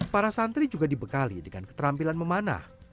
para santri juga dibekali dengan keterampilan memanah